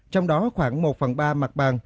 trong đó khoảng một phần ba mặt bằng